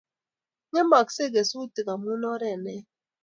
ngemaksei kesutik amu oret neya